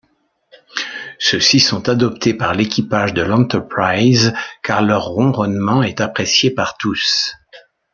Ceux-ci sont adoptés par l'équipage de l'Enterprise car leur ronronnement est apprécié par tous.